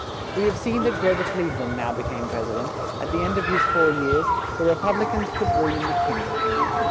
We have seen that Gro ver Cleve land now be came pres i dent; at the end of his four years, the Re pub li cans put Wil liam Mc Kin ley in of fice.